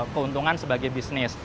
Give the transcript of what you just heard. keuntungan sebagai bisnis